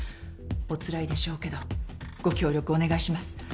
おつらいでしょうけどご協力お願いします。